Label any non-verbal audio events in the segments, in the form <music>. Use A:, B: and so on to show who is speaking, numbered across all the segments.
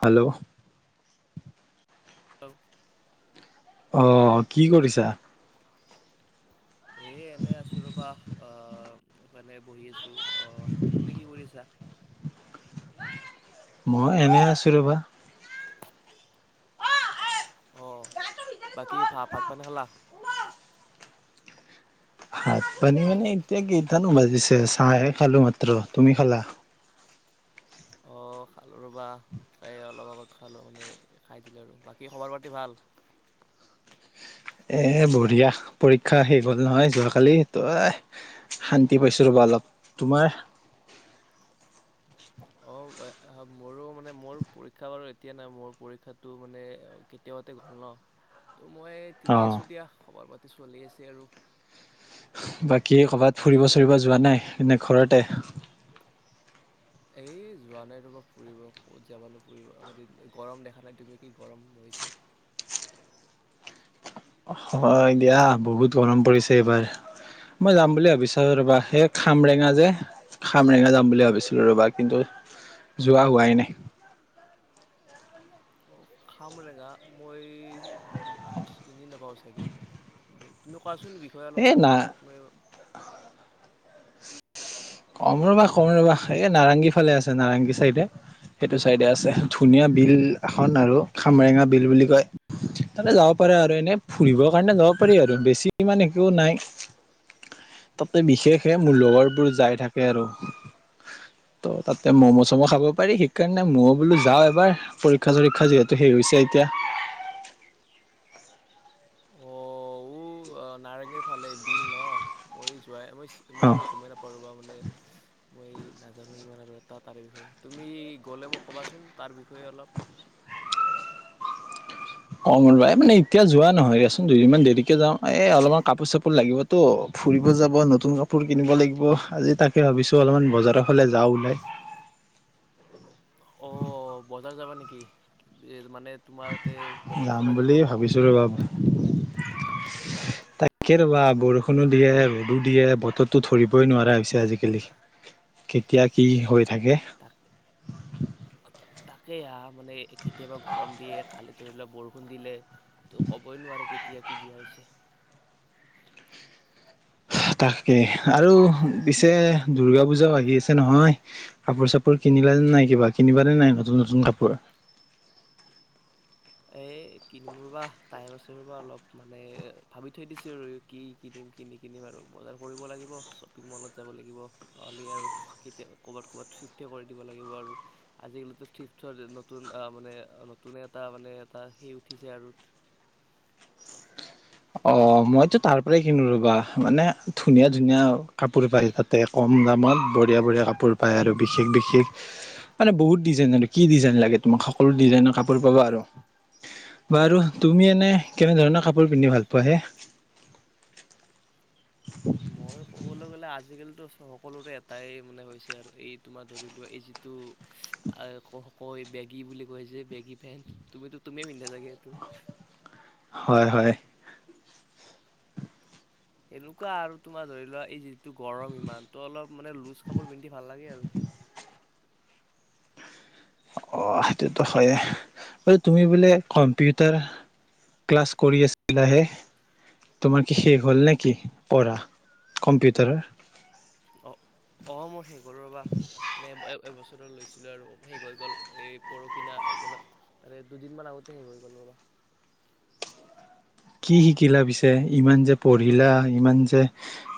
A: Hello
B: hello
A: অ কি কৰিছা?
B: এ এনে আছো ৰবা আহ এনে বহি আছো।? আহ তুমি কি কৰিছা
A: মই এনে আছো ৰবা
B: অ বাকি ভাত পানি খালা?
A: ভাত পানী মানে এতিয়া কেইটানো বাজিছে চাহে খালো মাত্ৰ। তুমি খালা?
B: অ খালো ৰবা খাই অলপ আগত খালো মানে খাই দিলো আৰু বাকী খবৰ পাতি ভাল
A: এ বঢ়িয়া পৰীক্ষা শেষ গ'ল নহয় যোৱাকালি তই শান্তি পাইছো ৰ'বা অলপ তোমাৰ
B: অ মোৰো মানে মোৰ পৰীক্ষা বাৰু এতিয়া নাই মোৰ পৰীক্ষাটো মানে কেতিয়াবাতে গ'ল ন মই
A: অ
B: ঠিকেই আছো দিয়া খবৰ পাতি চলি আছে আৰু।
A: বাকী কৰ'বাত
B: বাকী
A: ফুৰিব চুৰিব যোৱা নাই নে ঘৰতে?
B: এই যোৱা নাই, ৰবা ফুৰিব ক'ত যাব নো ফুৰিব আ গৰম দেখা নাই তুমি কি গৰম হৈছে।
A: হয় দিয়া বহুত গৰম পৰিছে এইবাৰ, মই যাম বুলি ভাবিছো ৰবা সেই খামৰেঙা যে খামৰেঙা যাম বুলি ভাবিছিলো ৰবা কিন্তু যোৱা হোৱাই নাই।
B: অ' খামৰেংগা মই। চিনি নাপাওঁ ছাগে। <unintelligible> কোৱাচোন বিষয়ে অলপ
A: এ
B: তাৰে
A: না
B: ওপৰত মই
A: কম ৰবা কম ৰবা, এই নাৰঙংগী ফালে আছে নাৰেংগী চাইডে সেইটো চাইডে আছে ধুনীয়া বিল এখন আৰু খামৰেঙা বিল বুলি কয় তাতে যাব পাৰে আৰু এনে ফুৰিবৰ কাৰণে যাব পাৰি আৰু বেছি ইমান একো নাই তাতে বিশেষে মোৰ লগৰবোৰ যায়। থাকে আৰু ত তাতে মম' চমো খাব পাৰি সেইকাৰণে ময়ো বোলো যাও এবাৰ। পৰীক্ষা চৰীক্ষা যিহেতু শেষ হৈছে এতিয়া।
B: নাৰেঙীৰ ফালে বিল 'ন মই যোৱাই নাই।
A: অ
B: ইমানে মানে গমেই নাপাওঁ ৰবা মানে। মই নাজানো ইমান আৰু এটা তাৰে বিষয়ে তুমি গ'লে মোক ক'বাচোন তাৰ বিষয়ে অলপ।
A: অ' মানে এতিয়া যোৱা নহয় এচোন দুইদিনমান দেৰিকে যাও। এ অলপমান কাপোৰ চাপোৰ লাগিবতো ফুৰিব যাব নতুন কাপোৰ কিনিব লাগিব আজি তাকে ভাবিছো অলপমান বজাৰৰ ফালে যাও ওলাই।
B: অ' বজাৰ যাবা নেকি মানে? তোমাৰতে
A: যাম
B: পকেটখন আজি
A: বুলি
B: গৰম হৈ
A: ভাবিছো
B: আছে।
A: ৰ'বা তাকে ৰবা বৰষুণো দিয়ে ৰ'দো দিয়ে বতৰো ধৰিবই নোৱাৰা হৈছে আজিকালি কেতিয়া কি হৈ যায়। তাকে।
B: তাক তাকেই আও মানে কেতিয়াবা গৰম দিয়ে কালি ধৰি লওক বৰষুণ দিলে ত' ক'বই নোৱাৰে কেতিয়া কি দিয়া হৈছে।
A: তাকে আৰু পিছে দুৰ্গা পূজাও লাগি আছে নহয়, কাপোৰ চাপোৰ কিনিলা যেন নাই কিবা কিনিবানে নাই নতুন নতুন কাপোৰ।
B: এ 'কিনিম ৰবা টাইম আছে ৰবা অলপ মানে ভাবি থৈ দিছো ৰ, কি কিনিম কিনি কি নিকিম আৰু বজাৰ কৰিব লাগিব শ্বপিং মলত যাব লাগিব অ' আৰু কেতি কৰ'বাত কবাত থিফট কৰি দিব লাগিব আৰু আজিকালিটো থিফটৰ নতুন মানে নতুনে এটা মানে সেই উঠিছে আৰু
A: অ' মইতো তাৰ পৰাই কিনো ৰবা মানে ধুনীয়া ধুনীয়া কাপোৰ পায় তাতে কম দামত বঢ়িয়া বঢ়িয়া কাপোৰ পায় আৰু বিশেষ বিশেষ মানে বহুত ডিজাইন আৰু কি ডিজাইন লাগে, তোমাক সকলো ডিজাইনৰ কাপোৰ পাবা আৰু বাৰু আৰু তুমি এনে কেনেধৰণৰ কাপোৰ পিন্ধি ভাল পো পোৱা হে? <inaudible>
B: মই ক'বলৈ গ'লে আজিকালিটো সকলোৰে এটাই মানে হৈছে আৰু এই তোমাৰ ধৰি লোৱা এই যিটো এই বেগী বুলি কৈ যে বেগী পেন তুমো তুমি পিন্ধা চাগে এইটো?
A: হয়- হয়
B: সেনেকুৱা আৰু তোমাৰ ধৰি লোৱা এই যিটো গৰম ইমান ত অলপ মানে লুজ কাপোৰ পিন্ধি ভাল লাগে আৰু।
A: অ' সেইটোতো হয়ে তুমি বোলে কম্পিউটাৰ ক্লাছ কৰি আছিলাহে? তোমাৰ কি শেষ হ'ল নে কি কৰা কম্পিউটাৰৰ?
B: অ ' মোৰ শেষ। হ'ল ৰবা মানে এবছৰ লৈছো। লৈছিল আৰু শেষ হৈ গ'ল এই পৰহিনা ত দুদিনমান আগতে শেষ হৈ গ'ল ৰবা।
A: কি শিকিলা পিছে ইমান যে পঢ়িলা ইমান যে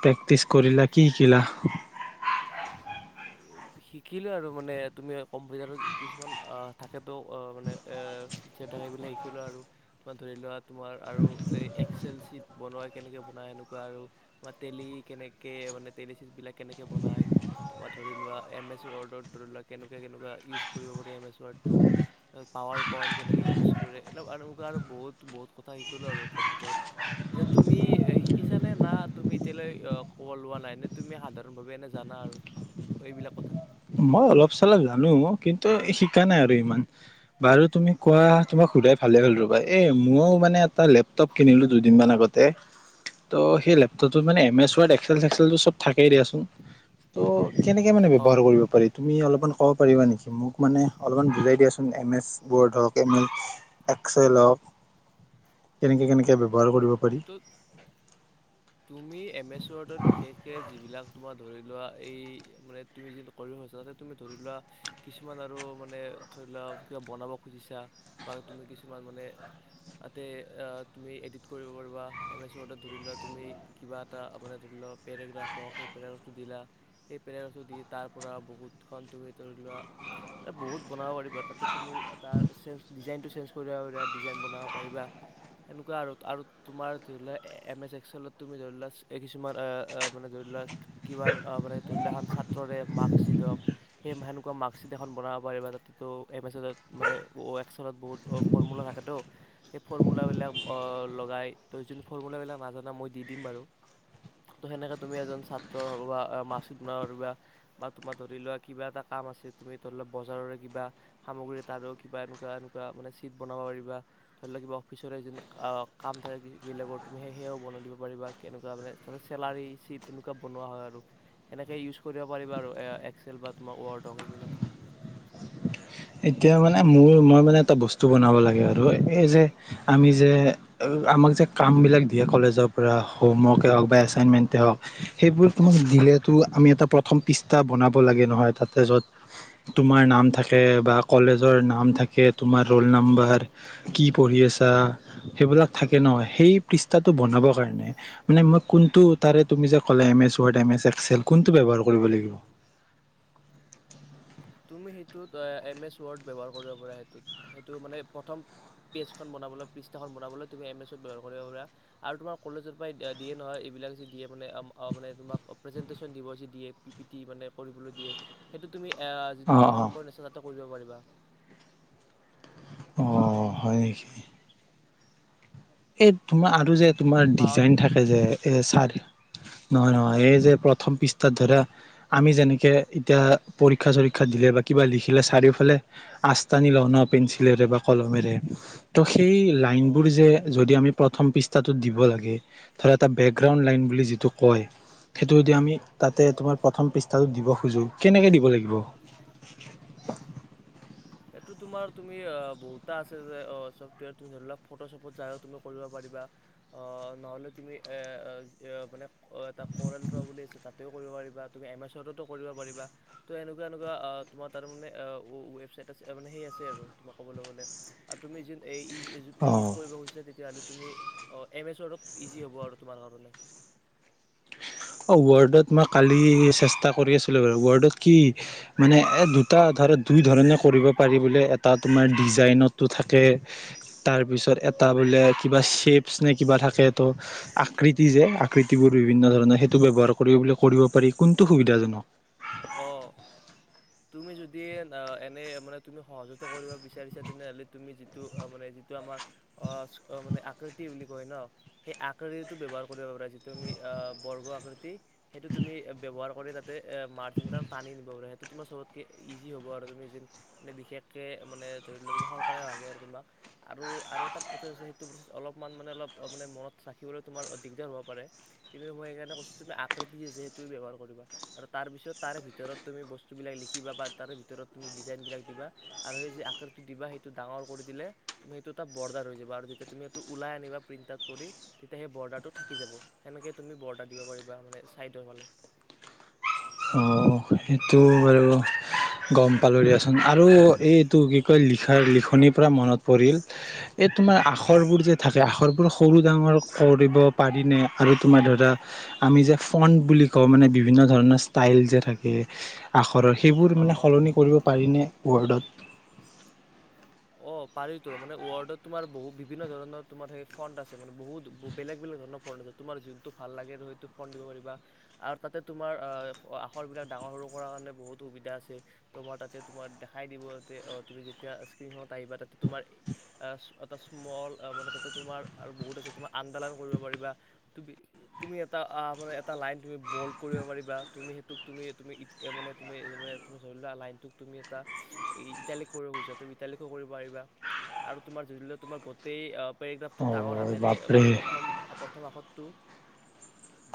A: প্ৰেক্টিছ কৰিলা কি শিকিলা?
B: শিকিলোঁ আৰু মানে তুমি কম্পিউটাৰত কিছুমান থাকেতো মানে ফিচাৰ থাকে এইবিলাক শিকিলোঁ আৰু তোমাৰ ধৰি লোৱা। তোমাৰ আৰু এই এক্স এল চিট বনোৱা। কেনেকে বনায় এনেকুৱা আৰু বা তেলি কেনেকে মানে তেলি চি বিলাক কেনেকে বনায়! তোমাৰ ধৰি লোৱা এম এছ ৱৰ্ডত ধৰি লোৱা কেনেকুৱা কেনেকুৱা ইউজ কৰিব পাৰ এম এছ পাৱাৰ পইণ্ট কেনেকে ইউজ কৰে আৰু আৰু বহুত বহুত কথা শিকিলো আৰু কম্পিউটাৰত যে তুমি শিকিছানে না তুমি এতিয়া লৈ খবৰ লোৱা নাই নে তুমি সাধাৰণভাৱে এনে জানা আৰু এইবিলাক কথা
A: মই অলপ চলপ জানো কিন্তু শিকা নাই আৰু ইমান বাৰু তুমি কোৱা তোমাক সোধাই ভালে হ'ল ৰ'বা এ মইও মানে এটা লেপটপ কিনিলো দুইদিনমান আগতে ত' সেই লেপটপ মানে এম এছ ৱড এক্সেল চেক্সেলটো চব থাকেই দিয়াচোন ত কেনেকে মানে
B: অ
A: ব্যৱহাৰ কৰিব তুমি অলপমান ক'ব পাৰিবা নেকি মোক মানে অলপমান বুজাই দিয়াচোন এম এছ ব'ৰ্ড হওক এম এল এক্সল হওক কেনেকৈ কেনেকৈ ব্যৱহাৰ কৰিব পাৰি
B: তোৰ তুমি এম এচ এম এচ ৱডত বিশেষকে যিবিলাক তোমাৰ ধৰি লোৱা এই মানে তুমি যি কৰিব খুজিছা তাতে তুমি ধৰি লোৱা কিছুমান আৰু মানে ধৰি লোৱা কিবা বনাব খুজিছা বা তুমি কিছুমান মানে তাতে তুমি এডিট কৰিব এম এছ ৱৰ্ডত ধৰি লোৱা তুমি কিবা এটা মানে ধৰি লোৱা পেৰেগ্ৰাফ হওক সেই পেৰেগ্ৰাফটো দিলা সেই পেৰাগ্ৰাফটো দি তাৰ পৰা বহুতখন তুমি ধৰি লোৱা বহুত বনাব পাৰিবা তাতে তুমি তাৰ চেঞ্জ ডিজাইনটো চেঞ্জ কৰিব পাৰ ডিজাইন বনাব পাৰিবা সেনেকুৱা আৰু আৰু তোমাৰ ধৰি লোৱা এম এছ এক্সেলত তুমি ধৰি লোৱা কিছুমান মানে ধৰি লোৱা কিমান মানে ধৰি লোৱা এখন ছাত্ৰৰে মাৰ্কশ্বীট হওক সেই সেনেকুৱা মাৰ্কশ্বীট এখন বনাব পাৰিবা তাতেতো এম এছ এলত মানে অ এক্সেলত বহুত ফৰ্মুলা থাকেতো সেই ফৰ্মুলাবিলাক লগাই তুমি যদি ফৰ্মুলাবিলাক নাজানা মই দি দিম বাৰু ত সেনেকে তুমি এজন ছাত্ৰ মাৰ্কশ্বিট বনাব পাৰিবা বা তোমাৰ ধৰি লোৱা কিবা এটা কাম আছে তুমি ধৰি লোৱা বজাৰৰে কিবা সামগ্ৰী তাৰ কিবা এনেকুৱা এনেকুৱা মান চিট বনাব পাৰিবা ধৰি লোৱা কিবা অফিচৰে কাম থাকে যিবিলাকৰ তুমি সেই সেয়াও বনাই দিব পাৰিবা কেনেকুৱা মানে তাতে চেলাৰী চিট এনেকুৱা বনোৱা হয় আৰু সেনেকৈ ইউজ কৰিব পাৰিবা আৰু এক্সেল বা তোমাৰ ৱৰ্ডক সেইবিলাক
A: এতিয়া মানে মোৰ মই মানে এটা বস্তু বনাব লাগে আৰু এই যে আমি যে আমাক যে কাম বিলাক দিয়ে কলেজৰ পৰা হোমৱৰ্কে হওঁক বা এচাইনমেন্ট হওঁক সেইবোৰ তোমাক দিলেতো আমি এটা প্ৰথম পৃষ্ঠা বনাব লাগে নহয় তাতে য'ত তোমাৰ নাম থাকে বা কলেজৰ নাম থাকে তোমাৰ ৰোল নাম্বাৰ কি পঢ়ি আছা সেইবিলাক থাকে ন সেই পৃষ্ঠটো বনাব কাৰণে মানে মই কোনটো তাৰে তুমি যে কলে M S Word M S Excel কোনটো ব্যৱহাৰ কৰিব লাগিব
B: তুমি সেইটোত এম এছ ৱৰ্ড ব্যৱহাৰ কৰিব পাৰা সেইটোত সেইটো মানে প্ৰথম পেজখন বনাবলৈ পৃষ্ঠাখন বনাবলৈ তুমি এম এছ ৱৰ্ড ব্যৱহাৰ কৰিব পাৰা আৰু তোমাৰ কলেজৰ পৰা দিয়ে নহয় এইবিলাক যে দিয়ে মানে অ মানে তোমাক প্ৰেজেন্টটেচন দিবে দিয়ে পি পি টি মানে কৰিবলৈ দিয়ে সেইটো তুমি যিটো
A: অ অ
B: পাৱাৰ পইণ্ট আছে তাতো কৰিব পাৰিবা
A: অঁ হয় নেকি এই তোমাৰ আৰু যে তোমাৰ
B: পাৱাৰ
A: ডিজাইন থাকে যে এই চাৰি নহয় নহয় এই যে প্ৰথম পৃষ্ঠাত ধৰা আমি যেনেকে এতিয়া পৰীক্ষা চৰীক্ষা দিলে বা কিবা লিখিলে চাৰিওফালে আচ টানি লওঁ পেঞ্চিলেৰে বা কলমেৰে সেই
B: অঁ অঁ
A: লাইনবোৰ যে আমি প্ৰথম পৃষ্ঠাটোত দিব লাগে ধৰা এটা বেগ গ্ৰাউণ্ড লাইন বুলি যিটো কয় সেইটো এতিয়া আমি তাতে
B: অঁ
A: তোমাৰ প্ৰথম পৃষ্ঠা দিব খোজো কেনেকে দিব লাগিব
B: এইটো তোমাৰ তুমি বহুতা আছে চফটৱেৰ তুমি ধৰি লোৱা ফটোশ্বপত যায়ও তুমি কৰিব পাৰিবা নহ'লে তুমি মানে এটা কৰেলট্ৰ বুলি তাতেও কৰিব পাৰিবা তুমি এম এছ ৱৰ্ডতো কৰিব পাৰা ত এনেকুৱা এনেকুৱা তোমাৰ তাৰ মানে ৱেবচাইট সেই আছে আৰু তোমাক ক'বলৈ গ'লে আৰু তুমি ইডিত
A: অ
B: কৰিব খুজিছা তেতিয়া হ'লে তুমি অঁ এম এছ ৱৰ্ডত ইজি হ'ব আৰু তোমাৰ কাৰণে
A: অ ৱৰ্ডত মই কালি চেষ্টা কৰি আছিলো বাৰু ৱৰ্ডত কি মানে এ দুটা ধৰ দুই ধৰণে কৰিব পাৰি বোলে এটা তোমাৰ ডিজাইনতো থাকে তাৰপিছত এটা বোলে কিবা শ্বেপচ নে কিবা থাকে ত আকৃতি যে আকৃতিবোৰ বিভিন্ন ধৰণৰ সেইটো ব্যৱহাৰ কৰি বোলে কৰিব পাৰি কোনটো সুবিধাজনক
B: অ'। তুমি যদি এনে মানে তুমি সহজত কৰিব বিচাৰিছা তেনেহলে তুমি যিটো মানে যিটো আমাৰ অ মানে আকৃতি বুলি কয় ন সেই আকৃতিটো ব্যৱহাৰ কৰিব পাৰা যিটো আমি আহ বৰ্গ আকৃতি সেইটো তুমি ব্যৱহাৰ পৰি যাতে মাৰকিন ডাল টানি দিব তোমাৰ চবতকে ইজি হ'ব আৰু তুমি যেন মানে বিশেষকৈ মানে ধৰি লোৱা তুমি সৰকাৰে লাগে আৰু তোমাক আৰু আৰু এটা প্ৰচেছছে সেইটো প্ৰচেছ অলপমান মানে অলপ মানে মনত ৰাখিবলৈ তোমাৰ দিগদাৰ হ'ব পাৰে কিন্তু মই সেইকাৰণে কৈছোঁ তুমি আকৃতি যে যে সেইটোে ব্যৱহাৰ কৰিবা আৰু তাৰপিছত তাৰে ভিতৰত তুমি বস্তু বস্তুবিলাক লিখিবা বা তাৰে ভিতৰত তুমি ডিজাইনবিলাক দিবা আৰু সেই আকাৰটো দিবা সেইটো ডাঙৰ কৰি দিলে তুমি সেইটো এটা বৰ্ডাৰ হৈ যাবা আৰু যেতিয়া তুমি সেইটো ওলাই আনিবা প্ৰিণ্ট আউট কৰি তেতিয়া সেই বৰ্ডাৰটো থাকি যাব সেনেকে তুমি বৰ্ডাৰ দিব পাৰিবা মানে চাইডৰ ফালে
A: সেইটো বাৰু গম পালোঁ দিয়াচোন আৰু এই এইটো কি কয় লিখাৰ লিখনিৰ পৰা মনত পৰিল এই তোমাৰ আখৰবোৰ যে থাকে আখৰবোৰ সৰু ডাঙৰ কৰিব পাৰিনে আৰু তোমাৰ ধৰা আমি যে ফণ্ বুলি কওঁ মানে বিভিন্ন ধৰণৰ ষ্টাইল যে থাকে ঘৰৰ সেইবোৰ
B: অঁ
A: মানে
B: অঁ
A: সলনি কৰিব পাৰিনে ৱল্ডত
B: অ পাৰো মানে ৱৰ্ল্ডত তোমাৰ বহু বিভিন্ন ধৰণৰ তোমাৰ সেই ফড আছে মানে বহুত বেলেগ বেলেগ ধৰণৰ ফড আছে তোমাৰ যটো ভাল ল সেই ফ দিব পাৰিবা আৰু তাতে তোমাৰ আখৰ বিলাক ডাঙৰ সৰু কৰ কাৰণে বহুত সুবিধা আছে তোমাৰ তাতে তোমাৰ দেখাই দিব অ তুমি যেতিয়া সত আহিবা তাতে তোমাৰ এটা স্মল মানে তাতে তোমাৰ আৰু বহুত আছে তোমাৰ আন্দালান কৰিব পাৰিবা তুমি তুমি এটা মানে এটা লাইন তুমি বল্ড কৰিব পাৰিবা তুমি সেইটোক তুমি তুমি মানে তুমিম ধৰি লোৱা লাইনটোক তুমি এটা ইটালিক্ট কৰিব খুজিছা তুমি ইটালিক্ট কৰিব পাৰিবা আৰু তোমাৰ ধৰি ল গোটেই পেৰেগ্ৰাফটো ডাঙৰ
A: অ'
B: হাতেৰে
A: বাপৰে
B: মানে প্ৰথম প্ৰথম আখটো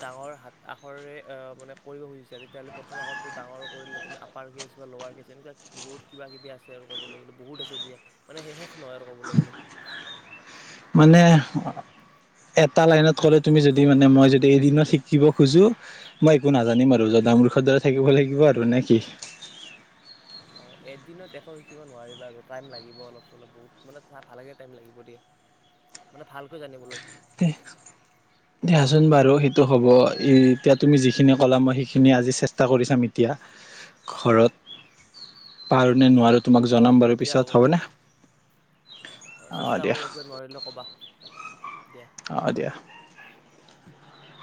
B: ডাঙৰ হাত আখৰে মানে কৰিব খুজিছা তেতিয়াাহলে প্ৰথম আখটো ডাঙৰ কৰিলে তুমি আপাৰ কেচ বা লাৰ কেছ এনেকুৱা বহুত কিবা কিবি আছে আৰু কবলে গ'লে বহুত আছে দিয়া মানে সেহে
A: মানে এটা লাইনত ক'লে তুমি যদি মানে মই য এদিনত শিকিব খোজো মই একো নাজানিম আৰু জদামুৰ্খৰ দাৰা থাকিব লাগিব আৰু নে কি
B: অ এদিনত একো শিকিব নোৱাৰিবা আৰু টাইম লাগিব অলপ চলপ বহুত মানে ভালকে টাইম লাগিব দিয়া মানে ভালকৈ জানিবলৈ
A: দে দিয়াচোন বাৰু সেইটো হ'ব এতিয়া তুমি যিখিনি কলা মই সেইখিনি আজি চেষ্টা কৰি চাম এতিয়া ঘৰত পাৰ
B: অঁ দিয়া হ'ব দিয়া অ অ চেষ্টা কৰিম একবাৰ নোৱাৰিলে ক'বা দিয়া
A: অ দিয়া <unintelligible>